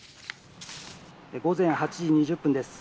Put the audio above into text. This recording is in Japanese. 午前８時２０分です。